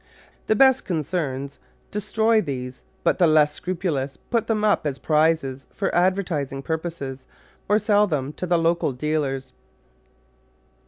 The best concerns destroy these, but the less scrupu lous put them up as prizes for advertising purposes, or sell them to die local dealers.